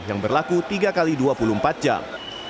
yang berlaku tiga x dua puluh empat jam